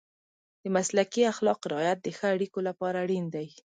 د مسلکي اخلاقو رعایت د ښه اړیکو لپاره اړین دی.